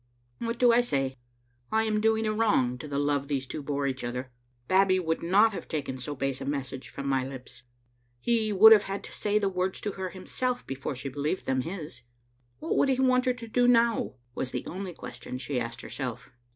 What do I say? I am doing a wrong to the love these two bore each other. Babbie would not have taken so base a message from my lips. He would have had to say the words to her himself before she believed them his. What would he want her to do now? was the only question she asked herself.